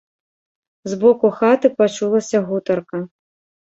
З боку хаты пачулася гутарка.